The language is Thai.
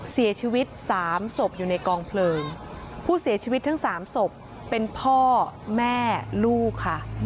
เสียชีวิตสามศพอยู่ในกองเพลิงผู้เสียชีวิตทั้งสามศพเป็นพ่อแม่ลูกค่ะ